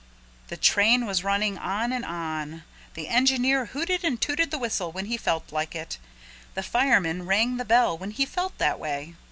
The train was running on and on. The engineer hooted and tooted the whistle when he felt like it. The fireman rang the bell when he felt that way.